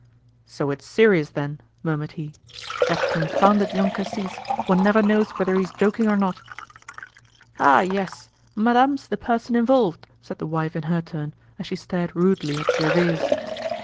"So it's serious then?" murmured he. "That confounded Young Cassis, one never knows whether he is joking or not." "Ah! yes, madame's the person involved," said the wife in her turn, as she stared rudely at Gervaise.